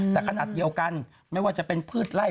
แต่ขนาดเดียวกันไม่ว่าจะเป็นพืชไล่